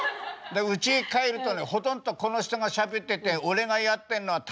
うちへ帰るとねほとんどこの人がしゃべってて俺がやってんのは宅配と一緒ですよ。